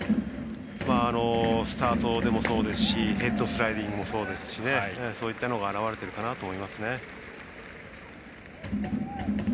スタートでもそうですしヘッドスライディングもそうですしそういったのが表れているかなと思いますね。